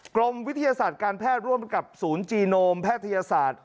กรมวิทยาศาสตร์การแพทย์ร่วมกับศูนย์จีโนมแพทยศาสตร์